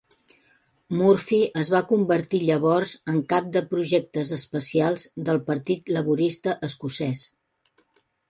Murphy es va convertir llavors en Cap de Projectes Especials del Partit Laborista Escocès.